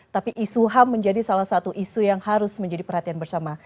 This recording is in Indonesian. tapi isu ham menjadi salah satu isu yang harus menjadi perhatian bersama